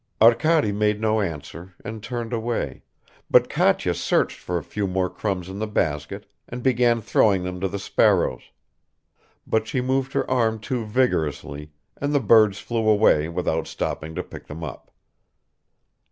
Arkady made no answer and turned away, but Katya searched for a few more crumbs in the basket and began throwing them to the sparrows; but she moved her arm too vigorously and the birds flew away without stopping to pick them up.